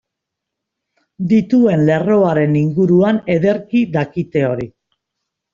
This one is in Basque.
Dituen lerroaren inguruan ederki dakite hori.